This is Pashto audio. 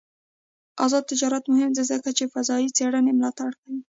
آزاد تجارت مهم دی ځکه چې فضايي څېړنې ملاتړ کوي.